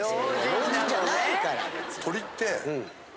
老人じゃないから。